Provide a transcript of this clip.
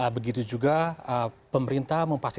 begitu juga pemerintah mempastikan